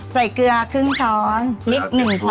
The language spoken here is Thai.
ใช่ใส่เกลือครึ่งช้อนนิดหนึ่งช้อนค่ะ